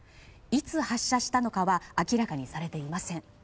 いつ発射したのかは明らかにされていません。